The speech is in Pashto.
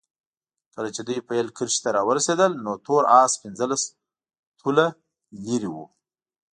کله چې دوی پیل کرښې ته راورسېدل نو تور اس پنځلس طوله لرې وو.